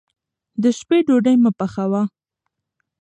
د شپې ډوډۍ مه پخوه.